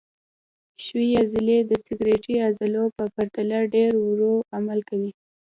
ښویې عضلې د سکلیټي عضلو په پرتله ډېر ورو عمل کوي.